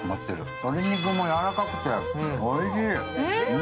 鶏肉もやわらかくておいしい。